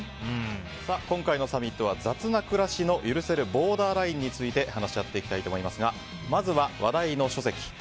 今回のサミットは雑なくらしの許せるボーダーラインについて話し合っていきたいと思いますがまずは話題の書籍